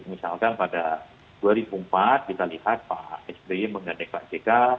misalkan pada dua ribu empat kita lihat pak sby menggandeng pak jk